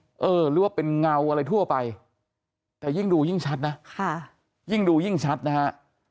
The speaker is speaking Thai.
หรือว่าเป็นเงาอะไรทั่วไปแต่ยิ่งดูยิ่งชัดนะค่ะยิ่งดูยิ่งชัดนะฮะ